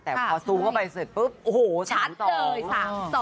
แต่พอซูมเข้าไปเสร็จปุ๊บโอ้โหชั้น๒เลย